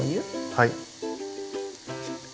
はい。